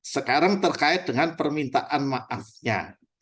sekarang terkait dengan permintaan maafnya